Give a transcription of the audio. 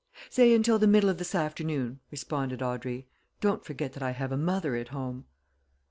"Say until the middle of this afternoon," responded Audrey. "Don't forget that I have a mother at home."